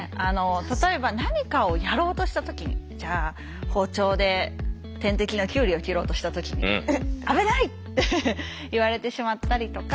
例えば何かをやろうとした時にじゃあ包丁で天敵のきゅうりを切ろうとした時に「危ない！」って言われてしまったりとか。